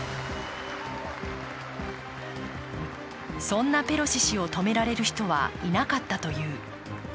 そんなペロシ氏を止められる人はいなかったという。